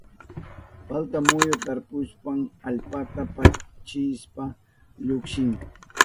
Palta muyu tarpushpan allpata partichishpa llukshin.